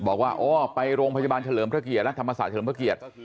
บอกว่าอ๋อไปโรงพยาบาลเฉลิมพระเกียรติและธรรมศาสเฉลิมพระเกียรติ